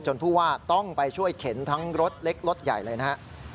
ผู้ว่าต้องไปช่วยเข็นทั้งรถเล็กรถใหญ่เลยนะฮะ